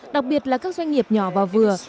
đặc biệt là các doanh nghiệp nhỏ và vừa